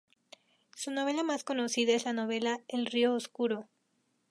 Su obra más conocida es la novela El río oscuro.